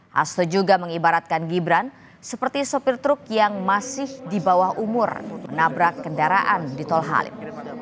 hasto juga mengibaratkan gibran seperti sopir truk yang masih di bawah umur menabrak kendaraan di tol halim